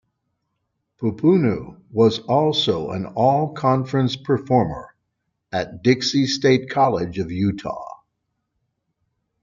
Pupunu was also an All-Conference performer at Dixie State College of Utah.